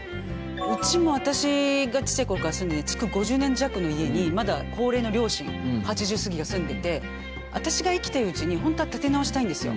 うちも私がちっちゃい頃から住んでて築５０年弱の家にまだ高齢の両親８０過ぎが住んでて私が生きてるうちに本当は建て直したいんですよ。